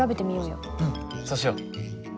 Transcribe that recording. うんそうしよう。